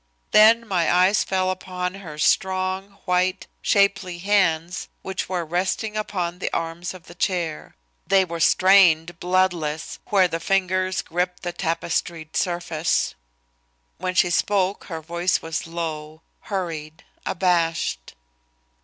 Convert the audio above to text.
Then my eyes fell upon her strong, white, shapely hands which were resting upon the arms of the chair. They were strained, bloodless, where the fingers gripped the tapestried surface. When she spoke, her voice was low, hurried, abashed.